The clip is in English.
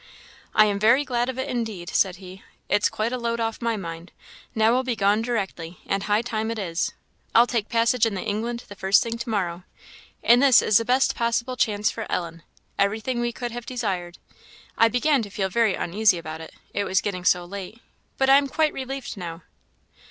"I am very glad of it, indeed," said he; "it's quite a load off my mind. Now we'll be gone directly, and high time it is I'll take passage in the England the first thing to morrow. And this is the best possible chance for Ellen every thing we could have desired. I began to feel very uneasy about it it was getting so late; but I am quite relieved now."